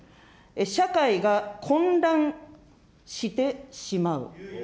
社会が混乱してしまう。